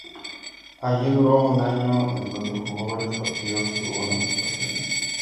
Allí duró un año, en donde jugó varios partidos, y tuvo buenas actuaciones.